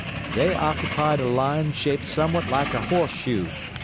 They occupied a line shaped somewhat like a horseshoe.